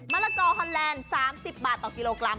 ละกอฮอนแลนด์๓๐บาทต่อกิโลกรัม